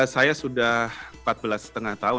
saya sudah empat belas lima tahun